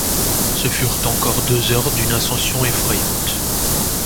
Ce furent encore deux heures d’une ascension effrayante.